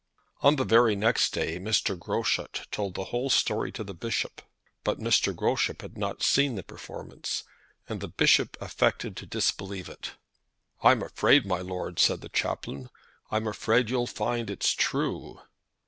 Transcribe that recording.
On the very next day Mr. Groschut told the whole story to the Bishop. But Mr. Groschut had not seen the performance, and the Bishop affected to disbelieve it. "I'm afraid, my lord," said the chaplain, "I'm afraid you'll find it's true."